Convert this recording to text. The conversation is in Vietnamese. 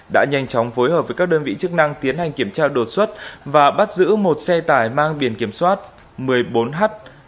đã nhanh chóng phối hợp với các đơn vị chức năng tiến hành kiểm tra đột xuất và bắt giữ một xe tải mang biển kiểm soát một mươi bốn h ba mươi hai nghìn tám trăm hai mươi tám